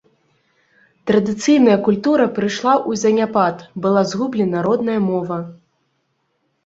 Традыцыйная культура прыйшла ў заняпад, была згублена родная мова.